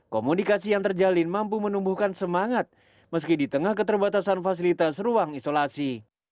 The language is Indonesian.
komunikasi yang terjalin mampu menumbuhkan semangat meski di tengah keterbatasan fasilitas ruang isolasi